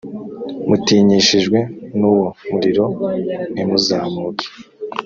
mutinyishijwe n uwo muriro ntimuzamuke